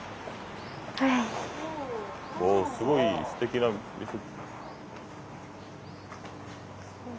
おすごいすてきな店。